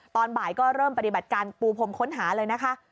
ตอนบ่ายก็เริ่มปฏิบัติการปูพรมค้นหาเลยนะคะ